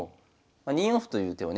２四歩という手をね